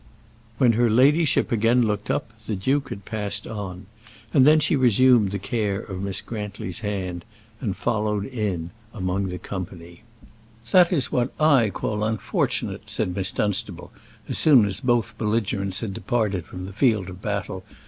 When her ladyship again looked up, the duke had passed on; she then resumed the care of Miss Grantly's hand, and followed in among the company. [Illustration: Lady Lufton and the Duke of Omnium.] "That is what I call unfortunate," said Miss Dunstable, as soon as both belligerents had departed from the field of battle.